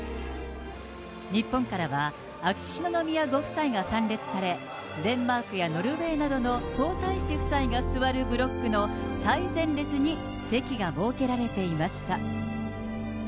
日本からは秋篠宮ご夫妻が参列され、デンマークやノルウェーなどの皇太子夫妻が座るブロックの最前列に席が設けられていました。